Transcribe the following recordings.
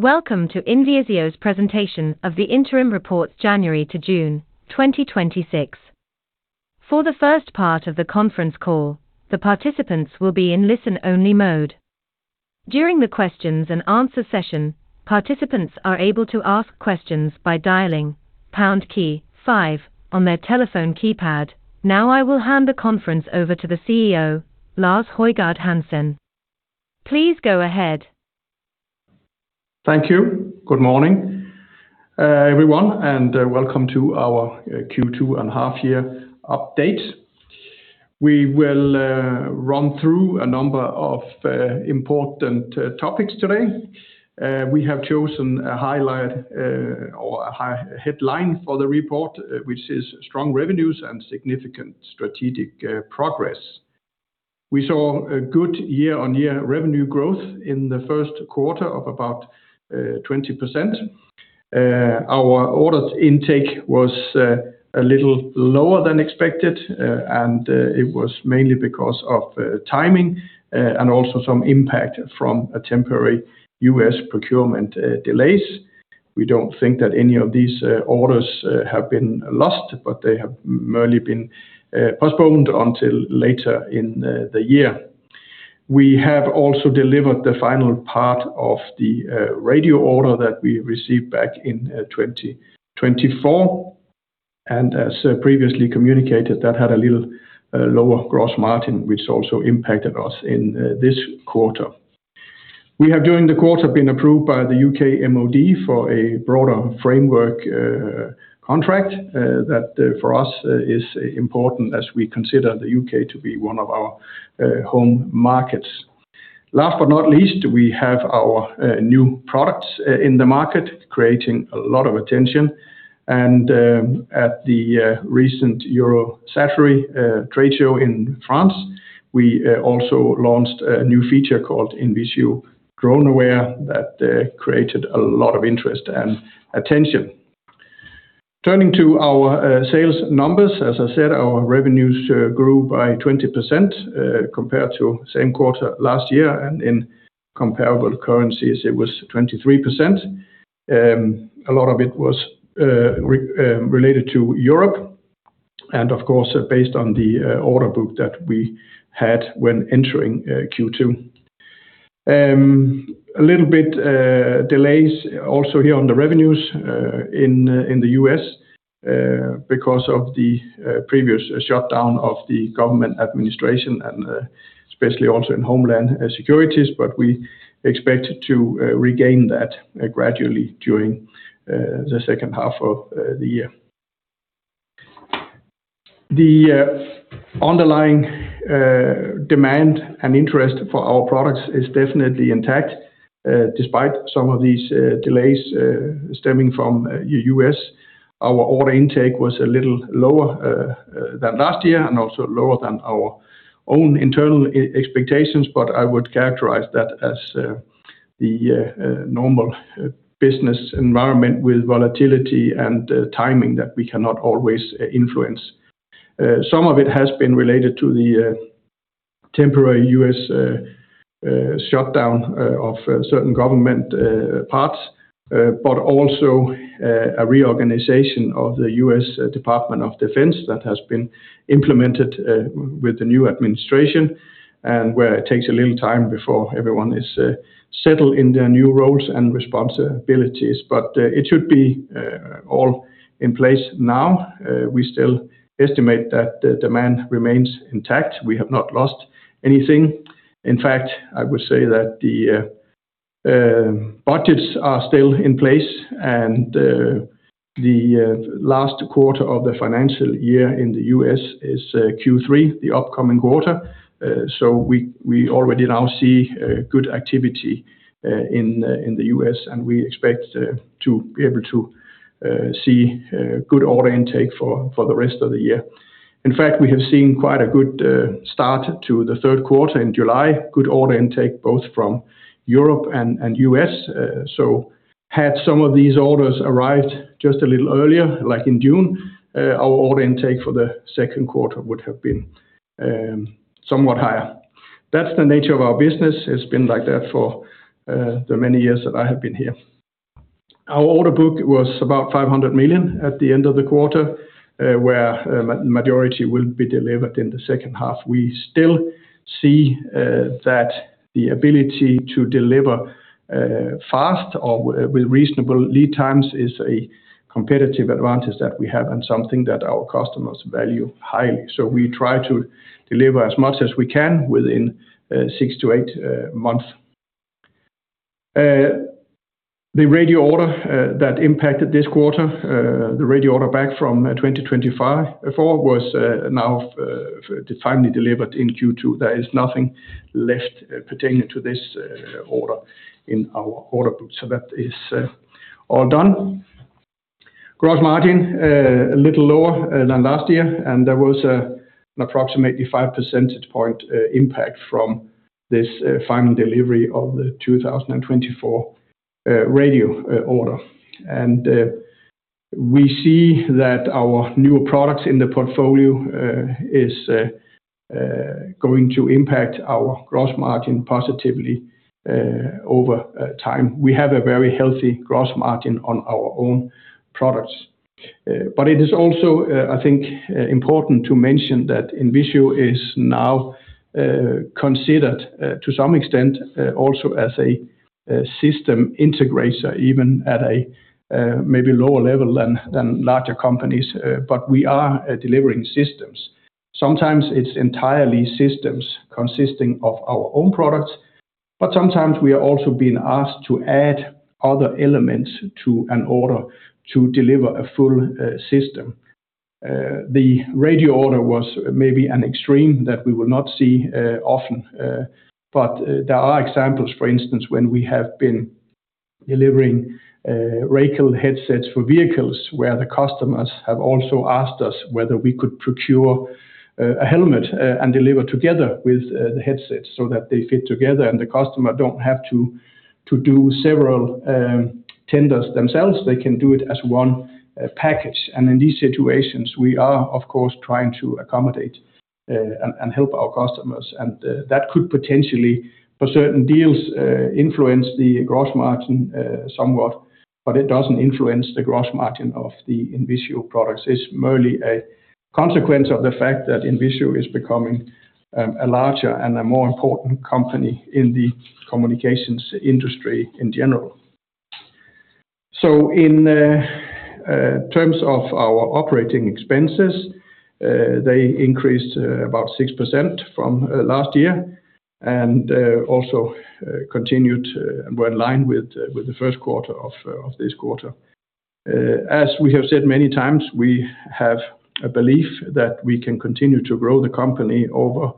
Welcome to INVISIO's presentation of the interim reports January to June 2026. For the first part of the conference call, the participants will be in listen-only mode. During the questions and answer session, participants are able to ask questions by dialing pound key five on their telephone keypad. I will hand the conference over to the CEO, Lars Højgård Hansen. Please go ahead. Thank you. Good morning, everyone. Welcome to our Q2 and half-year update. We will run through a number of important topics today. We have chosen a highlight or a headline for the report, which is strong revenues and significant strategic progress. We saw a good year-on-year revenue growth in the first quarter of about 20%. Our orders intake was a little lower than expected, and it was mainly because of timing and also some impact from temporary U.S. procurement delays. We don't think that any of these orders have been lost, but they have merely been postponed until later in the year. We have also delivered the final part of the radio order that we received back in 2024, and as previously communicated, that had a little lower gross margin, which also impacted us in this quarter. We have, during the quarter, been approved by the U.K. MoD for a broader framework contract. That for us is important as we consider the U.K. to be one of our home markets. Last but not least, we have our new products in the market, creating a lot of attention, and at the recent Eurosatory trade show in France, we also launched a new feature called INVISIO Drone Aware that created a lot of interest and attention. Turning to our sales numbers, as I said, our revenues grew by 20% compared to the same quarter last year, and in comparable currencies it was 23%. A lot of it was related to Europe and of course, based on the order book that we had when entering Q2. A little bit delays also here on the revenues in the U.S. because of the previous shutdown of the government administration and especially also in Homeland Security, but we expect to regain that gradually during the second half of the year. The underlying demand and interest for our products is definitely intact, despite some of these delays stemming from the U.S. Our order intake was a little lower than last year and also lower than our own internal expectations, but I would characterize that as the normal business environment with volatility and timing that we cannot always influence. Some of it has been related to the temporary U.S. shutdown of certain government parts, but also a reorganization of the U.S. Department of Defense that has been implemented with the new administration, and where it takes a little time before everyone is settled in their new roles and responsibilities. It should be all in place now. We still estimate that the demand remains intact. We have not lost anything. In fact, I would say that the budgets are still in place and the last quarter of the financial year in the U.S. is Q3, the upcoming quarter. We already now see good activity in the U.S. and we expect to be able to see good order intake for the rest of the year. In fact, we have seen quite a good start to the third quarter in July, good order intake both from Europe and U.S. Had some of these orders arrived just a little earlier, like in June, our order intake for the second quarter would have been somewhat higher. That's the nature of our business. It's been like that for the many years that I have been here. Our order book was about 500 million at the end of the quarter, where majority will be delivered in the second half. We still see that the ability to deliver fast or with reasonable lead times is a competitive advantage that we have and something that our customers value highly. We try to deliver as much as we can within six to eight months. The radio order that impacted this quarter, the radio order back from 2024, was now finally delivered in Q2. There is nothing left pertaining to this order in our order book, so that is all done. Gross margin, a little lower than last year. There was an approximately five percentage point impact from this final delivery of the 2024 radio order. We see that our newer products in the portfolio is going to impact our gross margin positively over time. We have a very healthy gross margin on our own products. It is also, I think, important to mention that INVISIO is now considered to some extent also as a system integrator, even at a maybe lower level than larger companies, but we are delivering systems. Sometimes it's entirely systems consisting of our own products, but sometimes we are also being asked to add other elements to an order to deliver a full system. The radio order was maybe an extreme that we will not see often. There are examples, for instance, when we have been delivering Racal headsets for vehicles, where the customers have also asked us whether we could procure a helmet and deliver together with the headsets so that they fit together and the customer don't have to do several tenders themselves. They can do it as one package. In these situations, we are, of course, trying to accommodate and help our customers. That could potentially, for certain deals, influence the gross margin somewhat, but it doesn't influence the gross margin of the INVISIO products. It's merely a consequence of the fact that INVISIO is becoming a larger and a more important company in the communications industry in general. In terms of our operating expenses, they increased about 6% from last year, and also continued and were in line with the first quarter of this quarter. As we have said many times, we have a belief that we can continue to grow the company over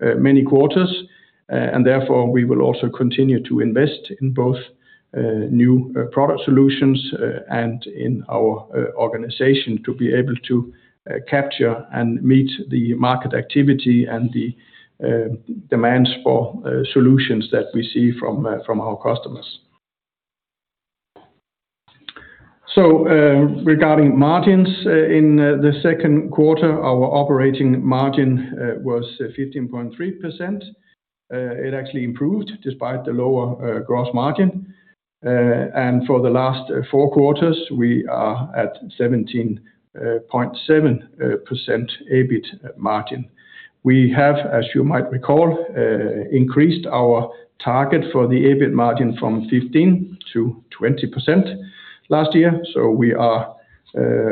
many quarters. Therefore, we will also continue to invest in both new product solutions and in our organization to be able to capture and meet the market activity and the demands for solutions that we see from our customers. Regarding margins, in the second quarter, our operating margin was 15.3%. It actually improved despite the lower gross margin. For the last four quarters, we are at 17.7% EBIT margin. We have, as you might recall, increased our target for the EBIT margin from 15% to 20% last year. We are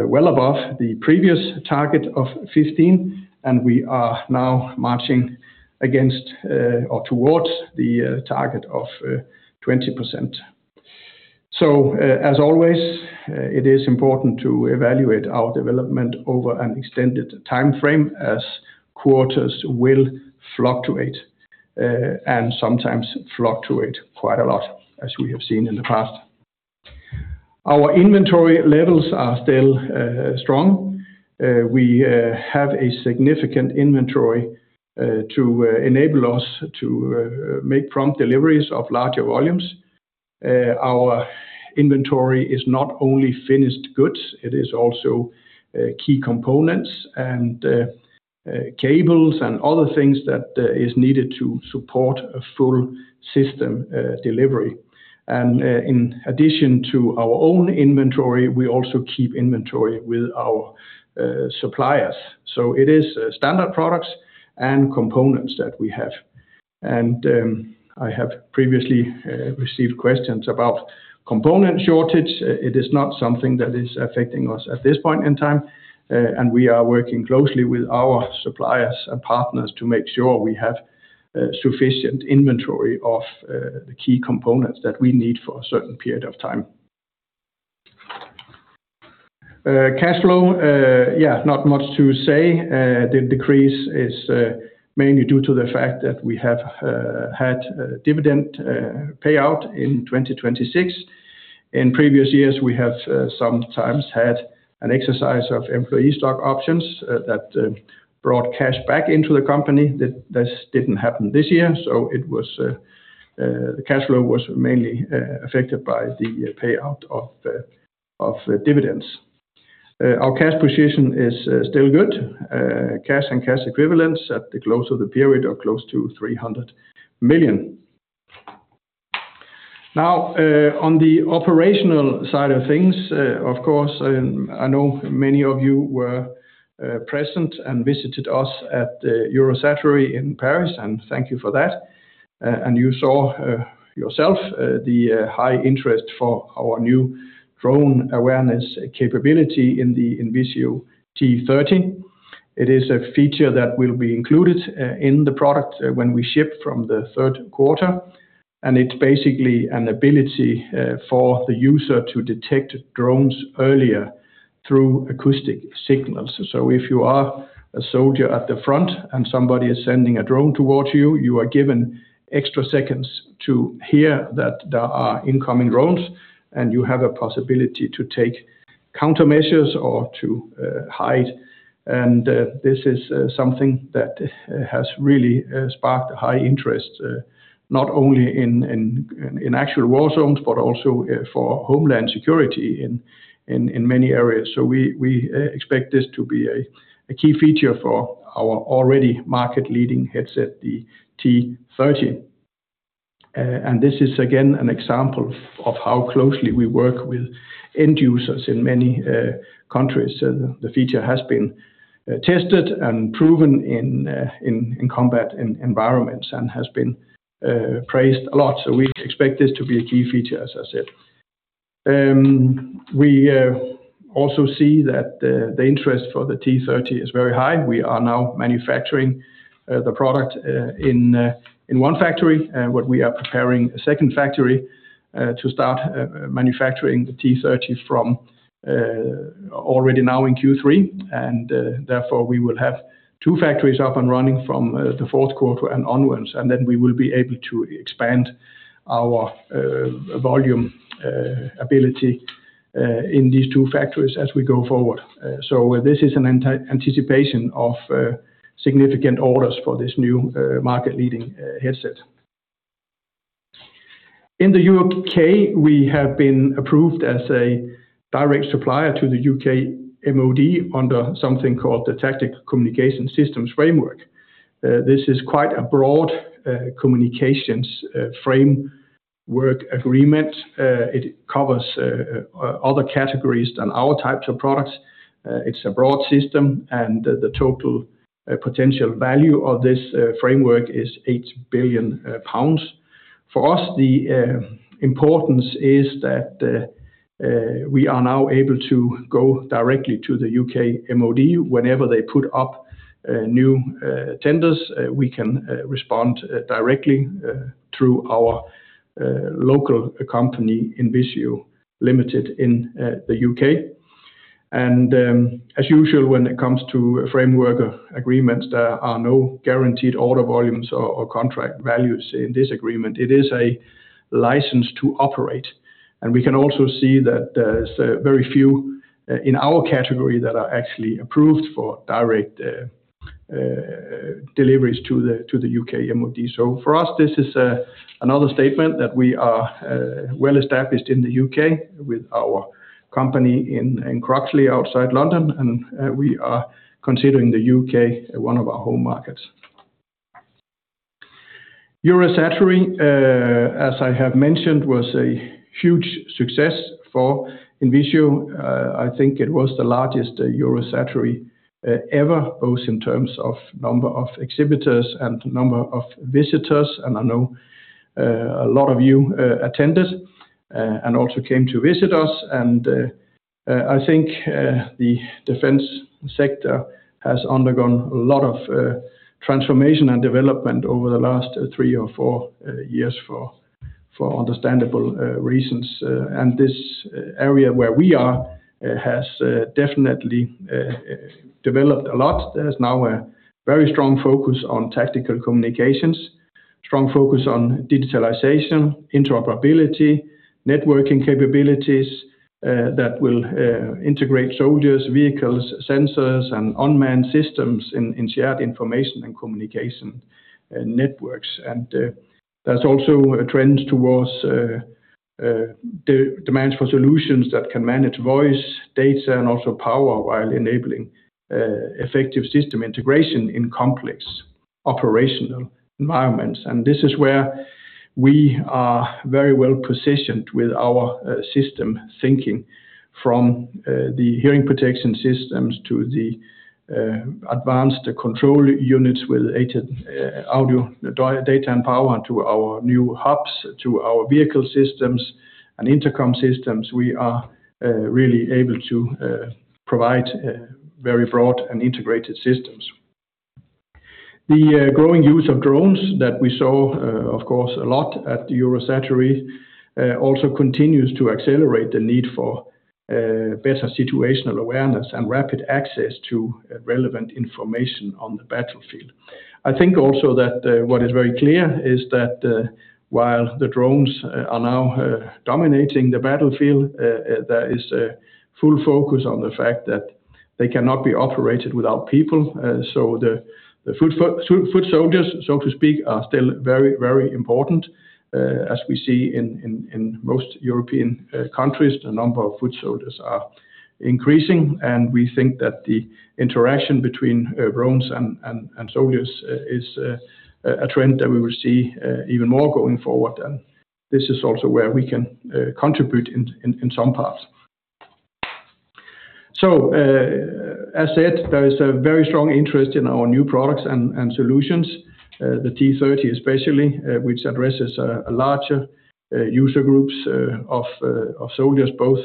well above the previous target of 15%, and we are now marching against or towards the target of 20%. As always, it is important to evaluate our development over an extended time frame as quarters will fluctuate, and sometimes fluctuate quite a lot, as we have seen in the past. Our inventory levels are still strong. We have a significant inventory to enable us to make prompt deliveries of larger volumes. Our inventory is not only finished goods, it is also key components and cables and other things that is needed to support a full system delivery. In addition to our own inventory, we also keep inventory with our suppliers. It is standard products and components that we have. I have previously received questions about component shortage. It is not something that is affecting us at this point in time. We are working closely with our suppliers and partners to make sure we have sufficient inventory of the key components that we need for a certain period of time. Cash flow, not much to say. The decrease is mainly due to the fact that we have had dividend payout in 2026. In previous years, we have sometimes had an exercise of employee stock options that brought cash back into the company. This didn't happen this year. The cash flow was mainly affected by the payout of dividends. Our cash position is still good. Cash and cash equivalents at the close of the period are close to 300 million. On the operational side of things, of course, I know many of you were present and visited us at the Eurosatory in Paris, and thank you for that. You saw yourself the high interest for our new INVISIO Drone Aware capability in the INVISIO T30. It is a feature that will be included in the product when we ship from the third quarter. It is basically an ability for the user to detect drones earlier through acoustic signals. If you are a soldier at the front and somebody is sending a drone towards you are given extra seconds to hear that there are incoming drones and you have a possibility to take countermeasures or to hide. This is something that has really sparked high interest, not only in actual war zones, but also for homeland security in many areas. We expect this to be a key feature for our already market-leading headset, the T30. This is again an example of how closely we work with end users in many countries. The feature has been tested and proven in combat environments and has been praised a lot. We expect this to be a key feature, as I said. We also see that the interest for the T30 is very high. We are now manufacturing the product in one factory, we are preparing a second factory to start manufacturing the T30 from already now in Q3. Therefore, we will have two factories up and running from the fourth quarter and onwards. Then we will be able to expand our volume ability in these two factories as we go forward. This is an anticipation of significant orders for this new market-leading headset. In the U.K., we have been approved as a direct supplier to the U.K. MoD under something called the Tactical Communications Systems framework. This is quite a broad communications framework agreement. It covers other categories than our types of products. It is a broad system, and the total potential value of this framework is 8 billion pounds. For us, the importance is that we are now able to go directly to the U.K. MoD. Whenever they put up new tenders, we can respond directly through our local company, INVISIO Limited, in the U.K. As usual, when it comes to framework agreements, there are no guaranteed order volumes or contract values in this agreement. It is a license to operate. We can also see that there is very few in our category that are actually approved for direct deliveries to the U.K. MoD. For us, this is another statement that we are well-established in the U.K. with our company in Croxley outside London, and we are considering the U.K. one of our home markets. Eurosatory, as I have mentioned, was a huge success for INVISIO. I think it was the largest Eurosatory ever, both in terms of number of exhibitors and number of visitors, and I know a lot of you attended and also came to visit us. I think the defense sector has undergone a lot of transformation and development over the last three or four years for understandable reasons. This area where we are has definitely developed a lot. There is now a very strong focus on tactical communications, strong focus on digitalization, interoperability, networking capabilities that will integrate soldiers, vehicles, sensors, and unmanned systems in shared information and communication networks. There are also trends towards demands for solutions that can manage voice data and also power while enabling effective system integration in complex operational environments. This is where we are very well positioned with our system thinking from the hearing protection systems to the advanced control units with aided audio data and power to our new hubs, to our vehicle systems and intercom systems. We are really able to provide very broad and integrated systems. The growing use of drones that we saw, of course, a lot at Eurosatory also continues to accelerate the need for better situational awareness and rapid access to relevant information on the battlefield. I think also that what is very clear is that while the drones are now dominating the battlefield, there is a full focus on the fact that they cannot be operated without people. The foot soldiers, so to speak, are still very important. As we see in most European countries, the number of foot soldiers are increasing, and we think that the interaction between drones and soldiers is a trend that we will see even more going forward. This is also where we can contribute in some parts. As said, there is a very strong interest in our new products and solutions. The T30 especially, which addresses larger user groups of soldiers, both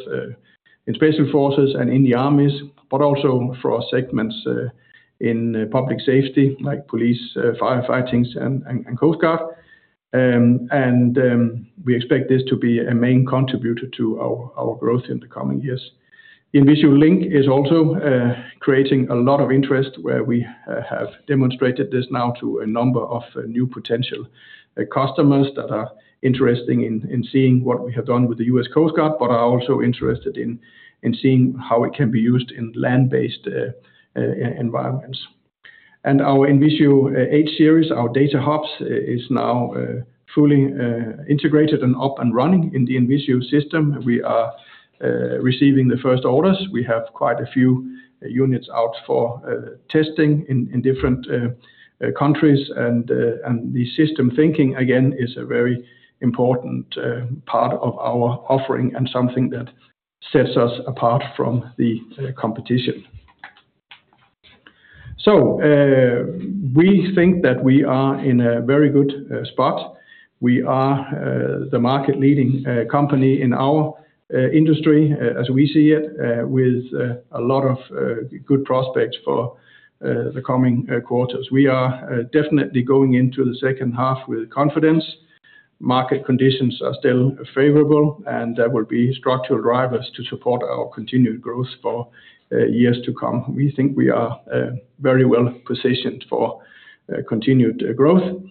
in special forces and in the armies, but also for our segments in public safety like police, firefighting, and coast guard. We expect this to be a main contributor to our growth in the coming years. INVISIO Link is also creating a lot of interest where we have demonstrated this now to a number of new potential customers that are interested in seeing what we have done with the U.S. Coast Guard, but are also interested in seeing how it can be used in land-based environments. Our INVISIO H-Series, our data hubs, is now fully integrated and up and running in the INVISIO system. We are receiving the first orders. We have quite a few units out for testing in different countries. The system thinking, again, is a very important part of our offering and something that sets us apart from the competition. We think that we are in a very good spot. We are the market-leading company in our industry, as we see it, with a lot of good prospects for the coming quarters. We are definitely going into the second half with confidence. Market conditions are still favorable, and there will be structural drivers to support our continued growth for years to come. We think we are very well positioned for continued growth.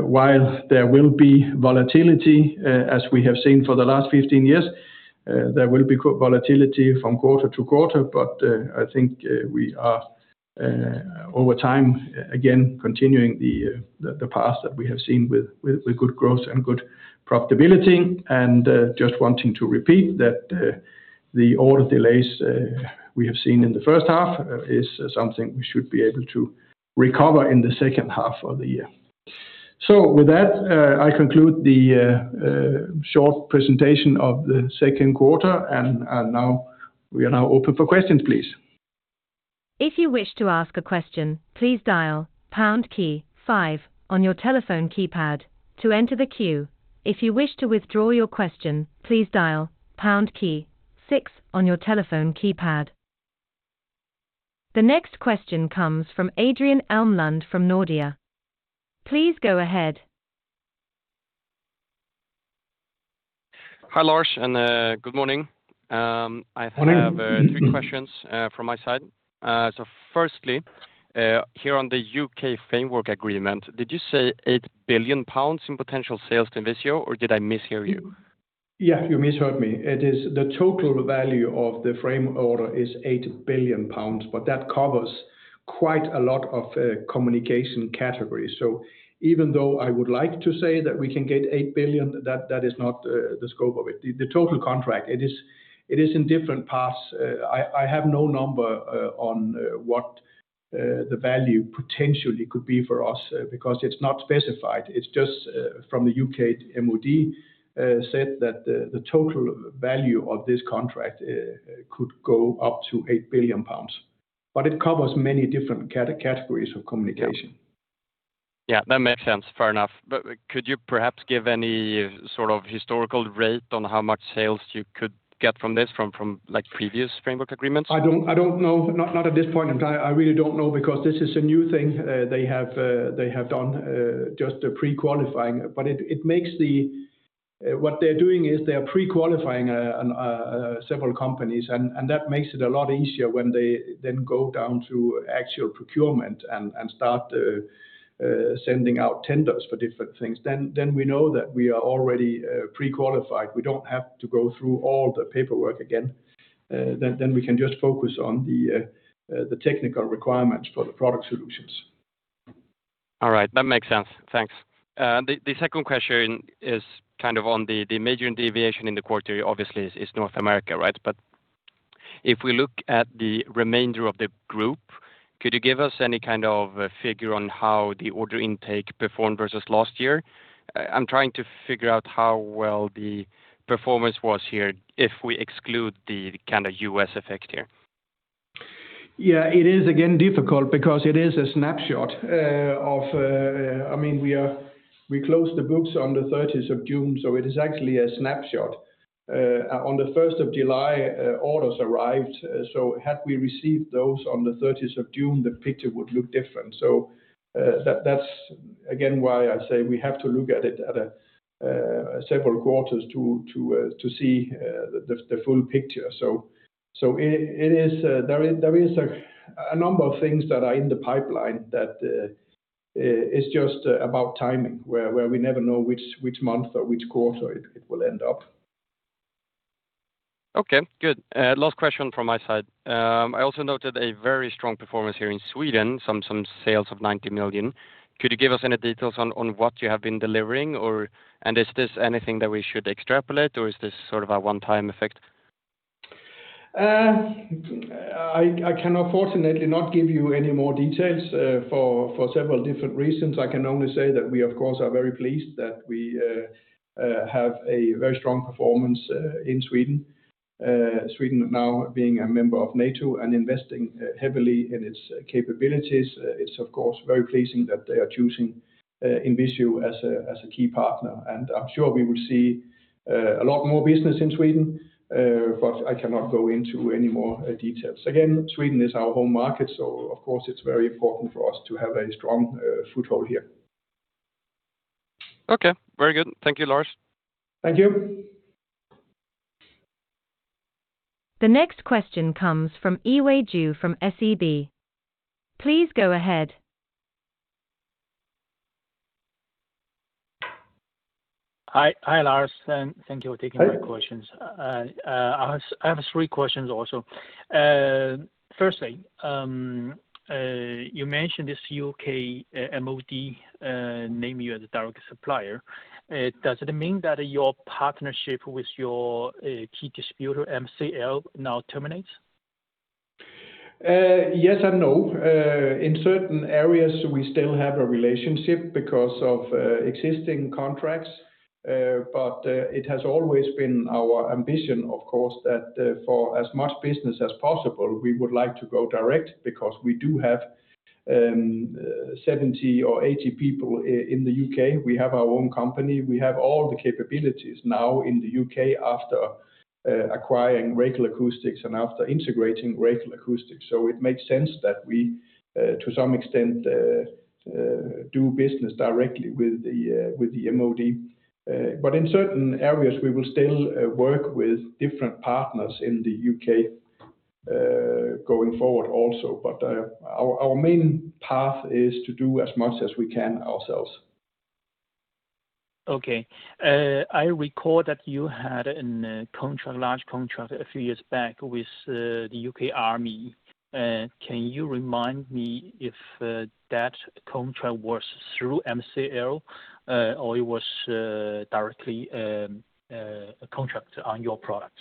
While there will be volatility, as we have seen for the last 15 years, there will be volatility from quarter to quarter, but I think we are, over time, again, continuing the path that we have seen with good growth and good profitability. Just wanting to repeat that the order delays we have seen in the first half is something we should be able to recover in the second half of the year. With that, I conclude the short presentation of the second quarter, and now we are now open for questions, please. If you wish to ask a question, please dial pound key five on your telephone keypad to enter the queue. If you wish to withdraw your question, please dial pound key six on your telephone keypad. The next question comes from Adrian Elmlund from Nordea. Please go ahead. Hi, Lars, good morning. Morning. I have three questions from my side. Firstly, here on the U.K. framework agreement, did you say 8 billion pounds in potential sales to INVISIO, or did I mishear you? You misheard me. It is the total value of the frame order is 8 billion pounds, that covers quite a lot of communication categories. Even though I would like to say that we can get 8 billion, that is not the scope of it. The total contract, it is in different parts. I have no number on what the value potentially could be for us because it is not specified. It is just from the U.K. MoD said that the total value of this contract could go up to 8 billion pounds. It covers many different categories of communication. That makes sense. Fair enough. Could you perhaps give any sort of historical rate on how much sales you could get from this, from previous framework agreements? I don't know, not at this point in time. I really don't know because this is a new thing they have done, just a pre-qualifying. What they're doing is they're pre-qualifying several companies, and that makes it a lot easier when they then go down to actual procurement and start sending out tenders for different things. We know that we are already pre-qualified. We don't have to go through all the paperwork again. We can just focus on the technical requirements for the product solutions. All right. That makes sense. Thanks. The second question is kind of on the major deviation in the quarter obviously is North America, right? If we look at the remainder of the group, could you give us any kind of figure on how the order intake performed versus last year? I'm trying to figure out how well the performance was here, if we exclude the kind of U.S. effect here. Yeah. It is again difficult because it is a snapshot. We closed the books on the 30th of June, so it is actually a snapshot. On the 1st of July, orders arrived, had we received those on the 30th of June, the picture would look different. That's again why I say we have to look at it at several quarters to see the full picture. There is a number of things that are in the pipeline that is just about timing, where we never know which month or which quarter it will end up. Okay, good. Last question from my side. I also noted a very strong performance here in Sweden, some sales of 90 million. Could you give us any details on what you have been delivering, and is this anything that we should extrapolate, or is this sort of a one-time effect? I can unfortunately not give you any more details for several different reasons. I can only say that we, of course, are very pleased that we have a very strong performance in Sweden. Sweden now being a member of NATO and investing heavily in its capabilities, it's of course, very pleasing that they are choosing INVISIO as a key partner. I'm sure we will see a lot more business in Sweden, but I cannot go into any more details. Sweden is our home market, so of course, it's very important for us to have a strong foothold here. Okay. Very good. Thank you, Lars. Thank you. The next question comes from Yiwei Zhou from SEB. Please go ahead Hi, Lars, thank you for taking my questions. Hi. I have three questions also. Firstly, you mentioned this U.K. MoD named you as a direct supplier. Does it mean that your partnership with your key distributor, MCL, now terminates? Yes and no. In certain areas, we still have a relationship because of existing contracts, but it has always been our ambition, of course, that for as much business as possible, we would like to go direct because we do have 70 or 80 people in the U.K. We have our own company. We have all the capabilities now in the U.K. after acquiring Racal Acoustics and after integrating Racal Acoustics. It makes sense that we, to some extent, do business directly with the MoD. In certain areas, we will still work with different partners in the U.K. going forward also. Our main path is to do as much as we can ourselves. Okay. I recall that you had a large contract a few years back with the U.K. Army. Can you remind me if that contract was through MCL or it was directly a contract on your product?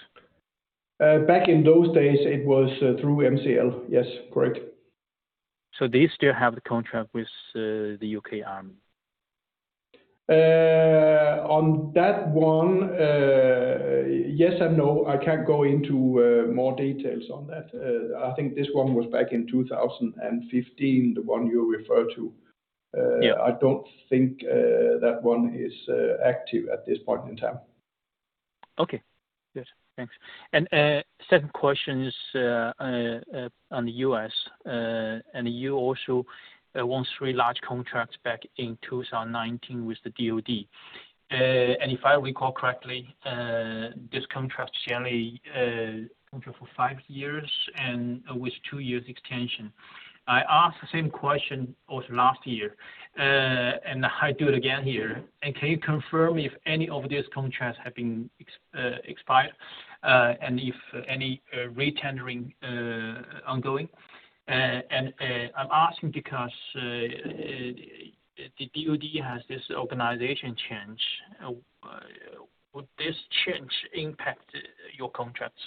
Back in those days, it was through MCL. Yes, correct. They still have the contract with the U.K. Army? On that one, yes and no. I can't go into more details on that. I think this one was back in 2015, the one you refer to. Yeah. I don't think that one is active at this point in time. Okay. Good. Thanks. Second question is on the U.S., you also won three large contracts back in 2019 with the DoD. If I recall correctly, this contract is generally for five years and with two years extension. I asked the same question also last year, and I do it again here. Can you confirm if any of these contracts have been expired, and if any re-tendering ongoing? I'm asking because the DoD has this organization change. Would this change impact your contracts?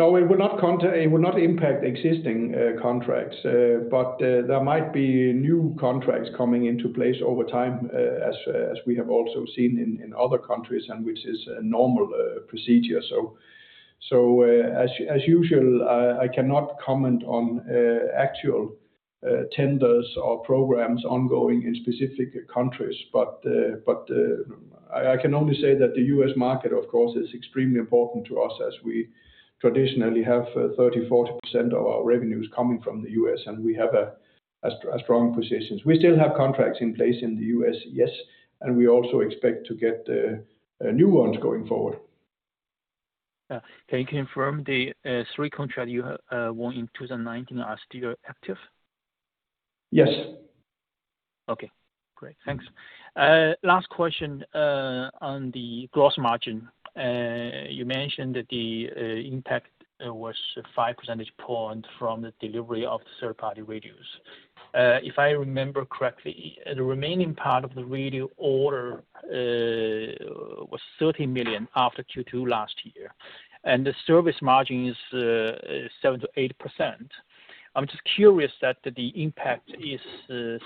No, it would not impact existing contracts. There might be new contracts coming into place over time, as we have also seen in other countries, and which is a normal procedure. As usual, I cannot comment on actual tenders or programs ongoing in specific countries, but I can only say that the U.S. market, of course, is extremely important to us as we traditionally have 30%, 40% of our revenues coming from the U.S., and we have a strong position. We still have contracts in place in the U.S., yes, and we also expect to get new ones going forward. Yeah. Can you confirm the three contracts you won in 2019 are still active? Yes. Okay, great. Thanks. Last question, on the gross margin. You mentioned that the impact was five percentage points from the delivery of the third-party radios. If I remember correctly, the remaining part of the radio order was 30 million after Q2 last year, and the service margin is 7%-8%. I'm just curious that the impact is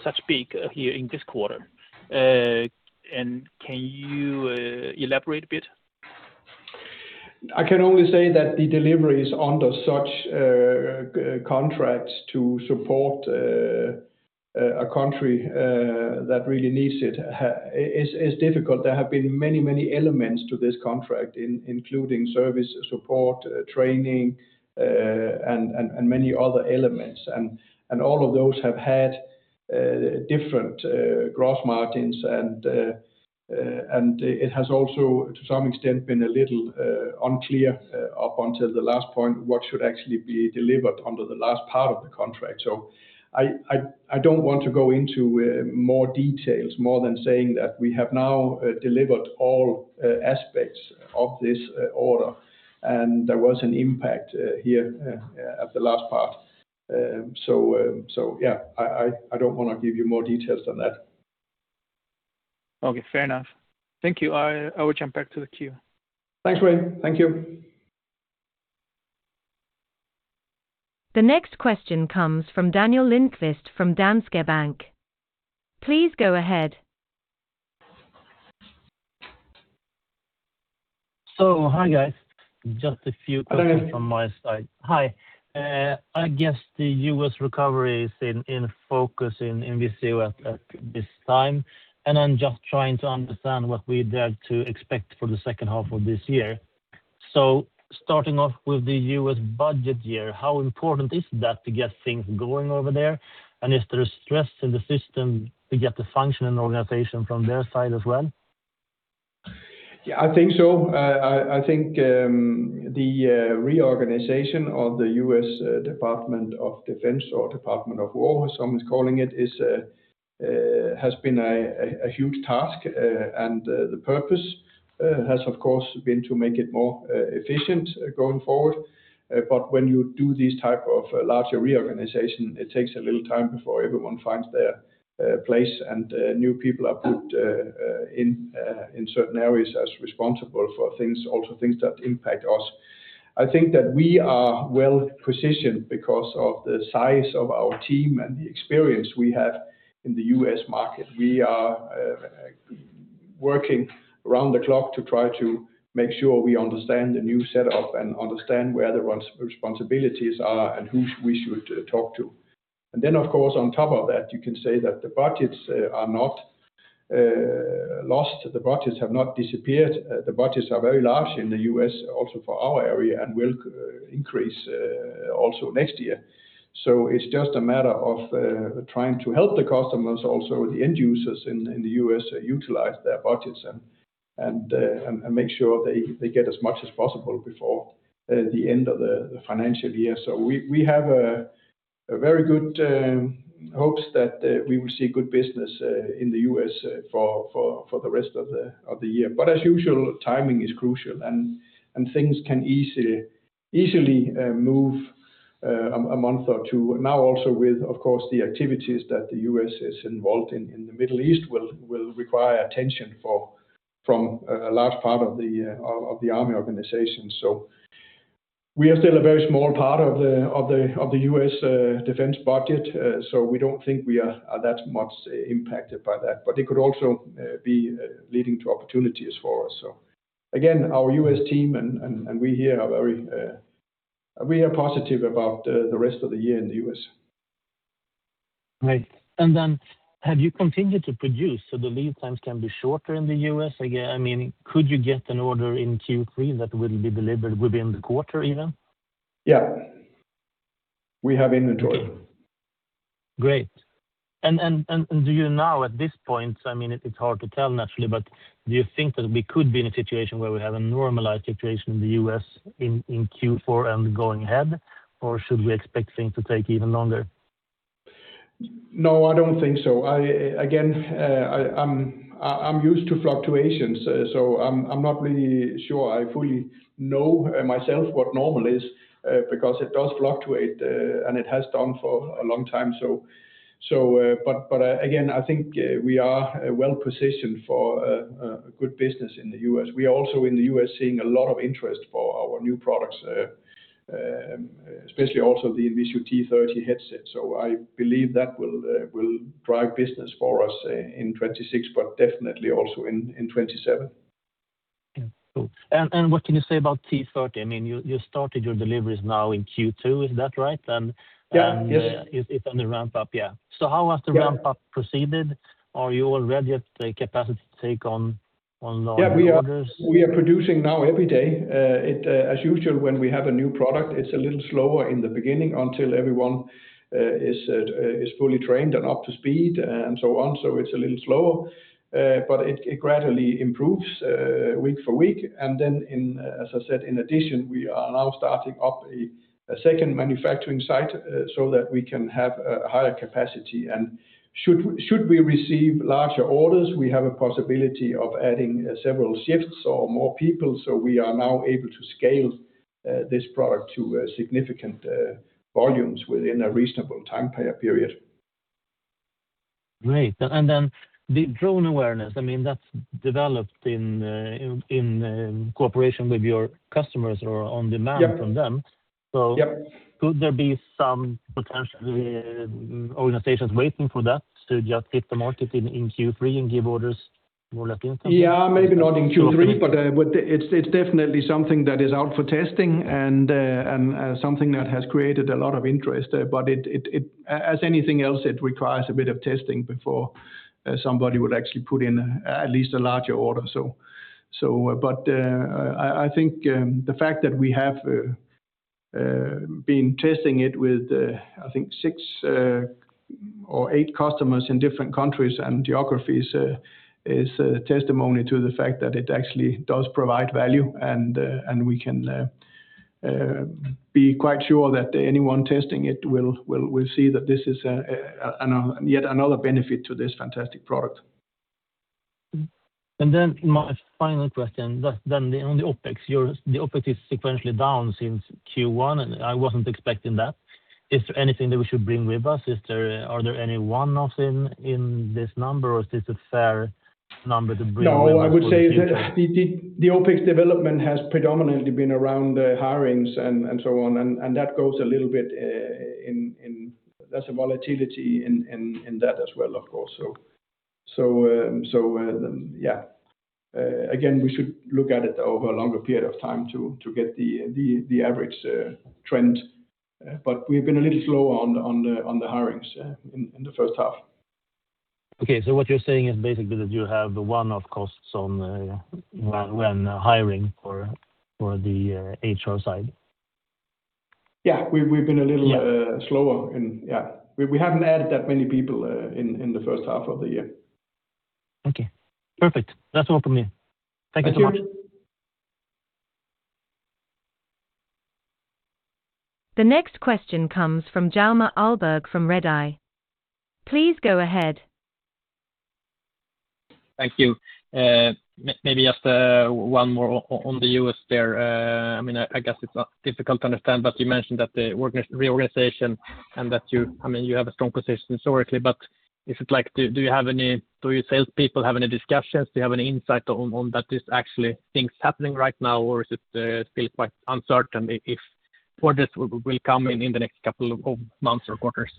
such big here in this quarter. Can you elaborate a bit? I can only say that the deliveries under such contracts to support a country that really needs it is difficult. There have been many elements to this contract, including service, support, training, and many other elements, and all of those have had different gross margins. It has also, to some extent, been a little unclear up until the last point what should actually be delivered under the last part of the contract. I don't want to go into more details, more than saying that we have now delivered all aspects of this order, and there was an impact here at the last part. Yeah, I don't want to give you more details than that. Okay, fair enough. Thank you. I will jump back to the queue. Thanks, Wei. Thank you. The next question comes from Daniel Lindkvist from Danske Bank. Please go ahead. Hi, guys. Just a few questions. Hello. From my side. Hi. I guess the U.S. recovery is in focus in INVISIO at this time, and I'm just trying to understand what we dare to expect for the second half of this year. Starting off with the U.S. budget year, how important is that to get things going over there? Is there a stress in the system to get the functioning organization from their side as well? Yeah, I think so. I think the reorganization of the U.S. Department of Defense or Department of War, as some is calling it, has been a huge task. The purpose has, of course, been to make it more efficient going forward. When you do these type of larger reorganization, it takes a little time before everyone finds their place and new people are put in certain areas as responsible for things, also things that impact us. I think that we are well-positioned because of the size of our team and the experience we have in the U.S. market. We are working around the clock to try to make sure we understand the new setup and understand where the responsibilities are and who we should talk to. On top of that, you can say that the budgets are not lost, the budgets have not disappeared. The budgets are very large in the U.S. also for our area and will increase also next year. It's just a matter of trying to help the customers, also the end users in the U.S., utilize their budgets and make sure they get as much as possible before the end of the financial year. We have very good hopes that we will see good business in the U.S. for the rest of the year. As usual, timing is crucial, and things can easily move a month or two. Now, also with, of course, the activities that the U.S. is involved in in the Middle East will require attention from a large part of the Army organization. We are still a very small part of the U.S. defense budget, so we don't think we are that much impacted by that. It could also be leading to opportunities for us. Again, our U.S. team and we here are very positive about the rest of the year in the U.S. Right. Have you continued to produce so the lead times can be shorter in the U.S.? Could you get an order in Q3 that will be delivered within the quarter even? Yeah. We have inventory. Great. Do you now at this point, it's hard to tell naturally, but do you think that we could be in a situation where we have a normalized situation in the U.S. in Q4 and going ahead, or should we expect things to take even longer? No, I don't think so. Again, I'm used to fluctuations, so I'm not really sure I fully know myself what normal is, because it does fluctuate, and it has done for a long time. I think we are well-positioned for good business in the U.S. We are also in the U.S. seeing a lot of interest for our new products, especially also the INVISIO T30 headset. I believe that will drive business for us in 2026, but definitely also in 2027. Yeah. Cool. What can you say about T30? You started your deliveries now in Q2, is that right? Yeah. Yes. It's on the ramp-up, yeah. How has the ramp-up proceeded? Are you all ready at the capacity to take on large orders? We are producing now everyday. As usual, when we have a new product, it's a little slower in the beginning until everyone is fully trained and up to speed and so on. It's a little slower, but it gradually improves week for week. In, as I said, in addition, we are now starting up a second manufacturing site so that we can have a higher capacity. Should we receive larger orders, we have a possibility of adding several shifts or more people. We are now able to scale this product to significant volumes within a reasonable time period. Great. The drone awareness, that's developed in cooperation with your customers or on demand from them. Yep. Could there be some potential organizations waiting for that to just hit the market in Q3 and give orders more or less instantly? Maybe not in Q3, it's definitely something that is out for testing and something that has created a lot of interest. As anything else, it requires a bit of testing before somebody would actually put in at least a larger order. I think the fact that we have been testing it with, I think, six or eight customers in different countries and geographies is testimony to the fact that it actually does provide value, and we can be quite sure that anyone testing it will see that this is yet another benefit to this fantastic product. My final question, then on the OpEx. The OpEx is sequentially down since Q1, and I wasn't expecting that. Is there anything that we should bring with us? Are there any one-offs in this number, or is this a fair number to bring with us for the future? No, I would say the OpEx development has predominantly been around the hirings and so on, and that goes a little bit. There's a volatility in that as well, of course. Yeah. Again, we should look at it over a longer period of time to get the average trend. We've been a little slow on the hirings in the first half. Okay. What you're saying is basically that you have one-off costs on when hiring for the HR side? Yeah, we've been a little slower. We haven't added that many people in the first half of the year. Okay, perfect. That's all from me. Thank you so much. Thank you. The next question comes from Hjalmar Ahlberg from Redeye. Please go ahead. Thank you. Maybe just one more on the U.S. there. I guess it's not difficult to understand, but you mentioned that the reorganization and that you have a strong position historically, but do your salespeople have any discussions? Do you have any insight on that this actually things happening right now, or is it still quite uncertain if projects will come in the next couple of months or quarters?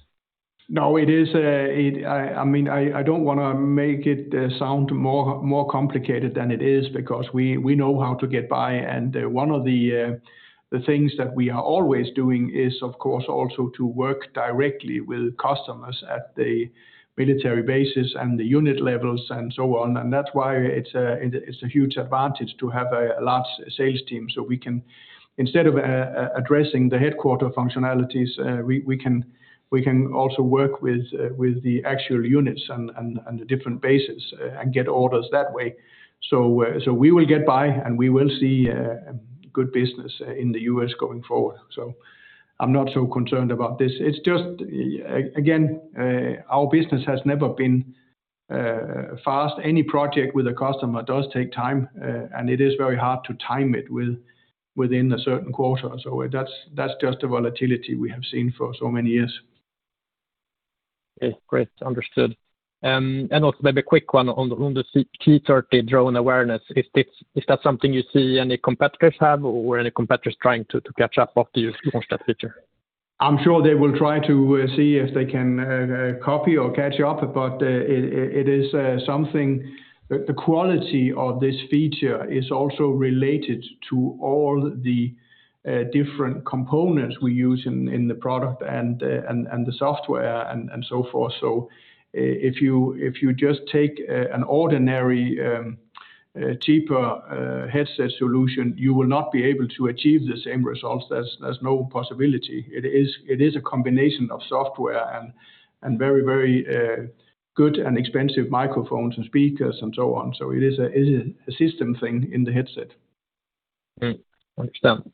I don't want to make it sound more complicated than it is, because we know how to get by, and one of the things that we are always doing is, of course, also to work directly with customers at the military bases and the unit levels and so on. That's why it's a huge advantage to have a large sales team, so we can, instead of addressing the headquarter functionalities, we can also work with the actual units and the different bases and get orders that way. We will get by, and we will see good business in the U.S. going forward. I'm not so concerned about this. Again, our business has never been fast. Any project with a customer does take time, and it is very hard to time it within a certain quarter. That's just the volatility we have seen for so many years. Okay, great. Understood. Also maybe a quick one on the T30 Drone Aware. Is that something you see any competitors have or any competitors trying to catch up with you on that feature? I'm sure they will try to see if they can copy or catch up. The quality of this feature is also related to all the different components we use in the product and the software and so forth. If you just take an ordinary, cheaper headset solution, you will not be able to achieve the same results. There's no possibility. It is a combination of software and very good and expensive microphones and speakers and so on. It is a system thing in the headset. Understood.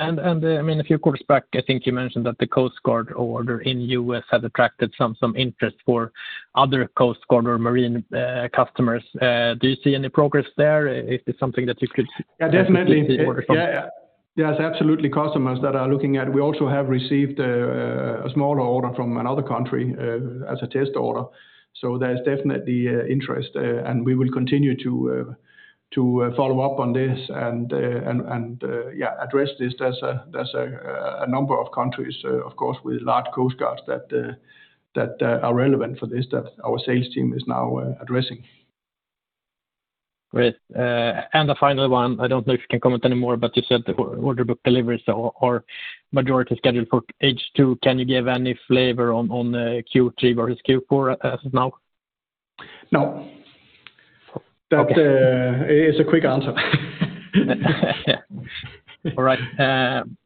A few quarters back, I think you mentioned that the Coast Guard order in U.S. had attracted some interest for other Coast Guard or marine customers. Do you see any progress there? Is this something that you could potentially see orders from? Yeah, definitely. There's absolutely customers that are looking at it. We also have received a smaller order from another country as a test order, so there's definitely interest. We will continue to follow up on this and address this. There's a number of countries, of course, with large coast guards that are relevant for this, that our sales team is now addressing. Great. The final one, I don't know if you can comment anymore, but you said the order book deliveries are majority scheduled for H2. Can you give any flavor on Q3 versus Q4 as of now? No. Okay. That is a quick answer. All right.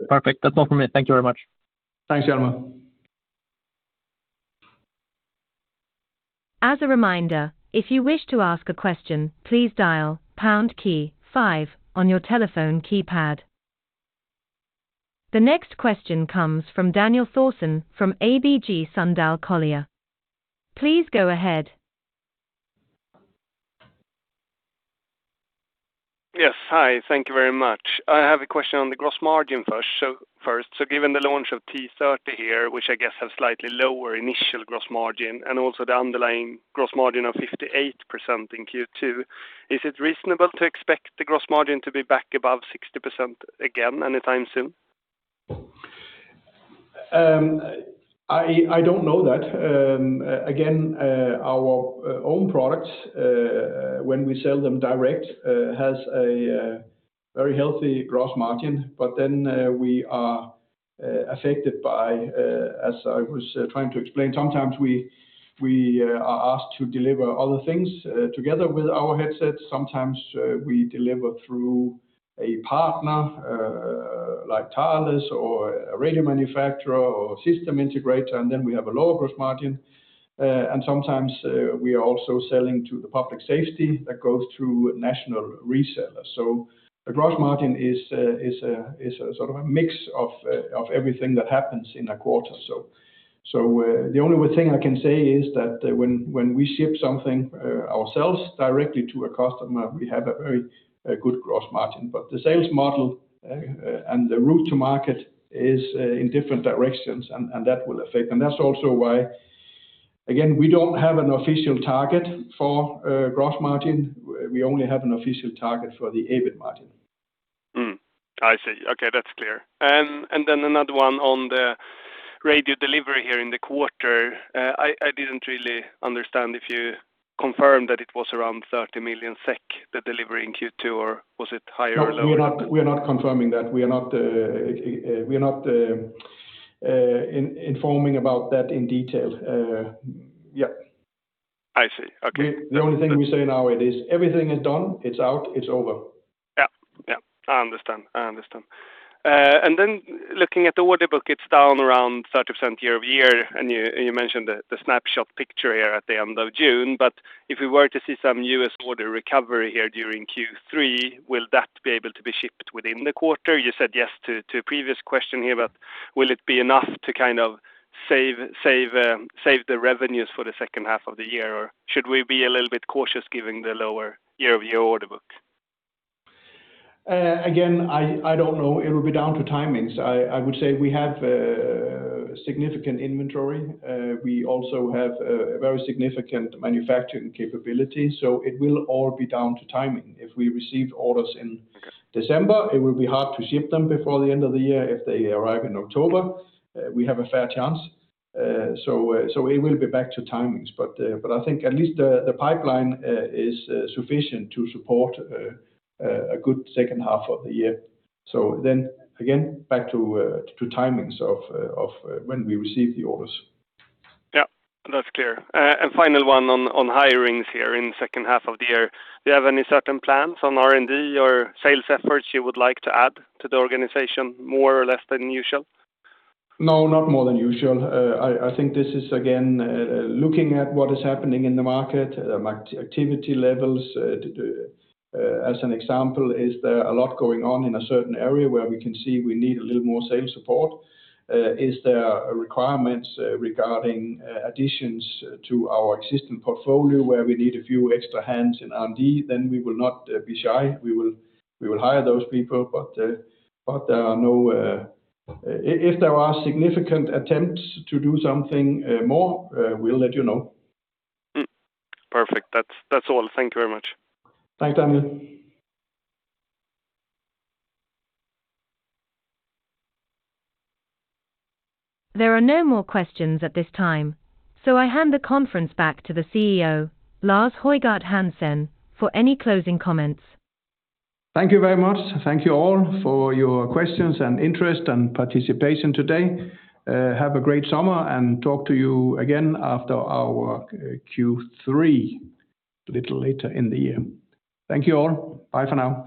Perfect. That's all from me. Thank you very much. Thanks, Hjalmar. As a reminder, if you wish to ask a question, please dial pound key five on your telephone keypad. The next question comes from Daniel Thorsson from ABG Sundal Collier. Please go ahead. Yes. Hi. Thank you very much. I have a question on the gross margin first. Given the launch of T30 here, which I guess has slightly lower initial gross margin, and also the underlying gross margin of 58% in Q2, is it reasonable to expect the gross margin to be back above 60% again anytime soon? I don't know that. Again, our own products, when we sell them direct, has a very healthy gross margin. We are affected by, as I was trying to explain, sometimes we are asked to deliver other things together with our headsets. Sometimes we deliver through a partner like Thales or a radio manufacturer or system integrator, and then we have a lower gross margin. Sometimes we are also selling to the public safety that goes through national resellers. The gross margin is sort of a mix of everything that happens in a quarter. The only thing I can say is that when we ship something ourselves directly to a customer, we have a very good gross margin. The sales model and the route to market is in different directions, and that will affect. That's also why, again, we don't have an official target for gross margin. We only have an official target for the EBIT margin. I see. Okay, that's clear. Another one on the radio delivery here in the quarter. I didn't really understand if you confirmed that it was around 30 million SEK, the delivery in Q2, or was it higher or lower? No, we are not confirming that. We are not informing about that in detail. Yeah. I see. Okay. The only thing we say now is everything is done, it's out, it's over. Yeah. I understand. Looking at the order book, it's down around 30% year-over-year, and you mentioned the snapshot picture here at the end of June, but if we were to see some U.S. order recovery here during Q3, will that be able to be shipped within the quarter? You said yes to a previous question here, but will it be enough to save the revenues for the second half of the year, or should we be a little bit cautious given the lower year-over-year order book? Again, I don't know. It will be down to timings. I would say we have a significant inventory. We also have a very significant manufacturing capability, so it will all be down to timing. If we receive orders in December, it will be hard to ship them before the end of the year. If they arrive in October, we have a fair chance. It will be back to timings. I think at least the pipeline is sufficient to support a good second half of the year. Again, back to timings of when we receive the orders. Yeah, that's clear. Final one on hirings here in the second half of the year. Do you have any certain plans on R&D or sales efforts you would like to add to the organization, more or less than usual? No, not more than usual. I think this is, again, looking at what is happening in the market, activity levels. As an example, is there a lot going on in a certain area where we can see we need a little more sales support? Is there requirements regarding additions to our existing portfolio where we need a few extra hands in R&D? We will not be shy, we will hire those people. If there are significant attempts to do something more, we'll let you know. Perfect. That's all. Thank you very much. Thanks, Daniel. There are no more questions at this time, so I hand the conference back to the CEO, Lars Højgård Hansen, for any closing comments. Thank you very much. Thank you all for your questions and interest and participation today. Have a great summer and talk to you again after our Q3 a little later in the year. Thank you all. Bye for now.